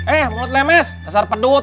eh mulut lemes dasar pedut